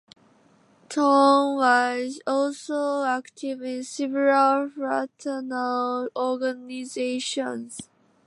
Conn was also active in several fraternal organizations.